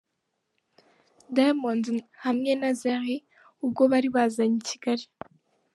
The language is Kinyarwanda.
Diamond hamwe na Zari ubwo bari bazanye i Kigali.